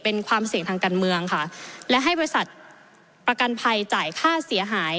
เป็นความเสี่ยงทางการเมืองค่ะและให้บริษัทประกันภัยจ่ายค่าเสียหาย